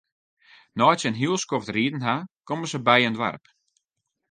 Nei't se in hiel skoft riden ha, komme se by in doarp.